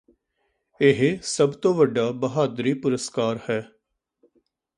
ਇਹ ਸੱਭ ਤੋਂ ਵੱਡਾ ਬਹਾਦਰੀ ਪੁਰਸਕਾਰ ਹੈ